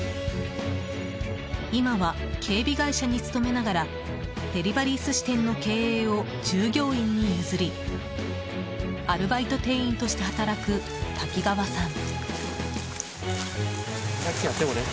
今は警備会社に勤めながらデリバリー寿司店の経営を従業員に譲りアルバイト店員として働く滝川さん。